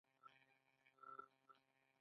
بیا وروسته یې له اوسپنې څخه ګټه واخیسته.